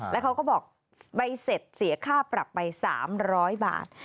แล้วเขาก็บอกใบเสร็จเสียค่าปรับไป๓๐๐บาท